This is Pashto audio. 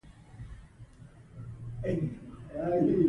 دا پروسه علمي ده.